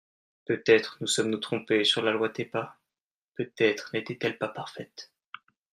Peut-être nous sommes-nous trompés sur la loi TEPA, peut-être n’était-elle pas parfaite.